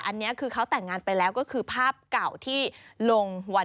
อันนี้คือเขาแต่งงานไปแล้วก็คือภาพเก่าที่ลงวัน